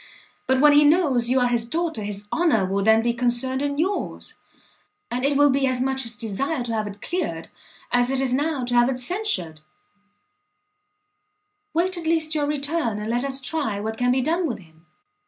But when he knows you are his daughter, his honour will then be concerned in yours, and it will be as much his desire to have it cleared, as it is now to have it censured." "Wait at least your return, and let us try what can be done with him."